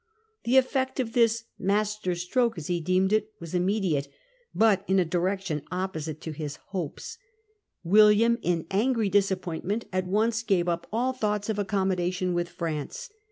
The effect of this ' master stroke,' as he deemed it, was immediate, but in a direction opposite to his hopes. Prorogation William, in angry disappointment, at once of Parlia gave up all thoughts of accommodation with upon ' e eCt France.